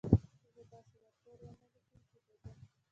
زه به داسې راپور و نه لیکم، چې د ده.